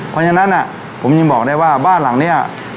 เพราะฉะนั้นผมยังบอกได้ว่าบ้านหลังนี้